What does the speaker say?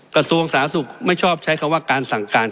กระทรวงสาธารณสุขไม่ชอบใช้คำว่าการสั่งการ